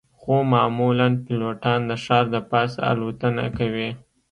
خو معمولاً پیلوټان د ښار د پاسه الوتنه کوي